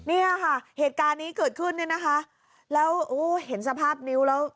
เนี่ยค่ะเหตุการณ์นี้เกิดขึ้นเนี่ยนะคะแล้วโอ้เห็นสภาพนิ้วแล้ว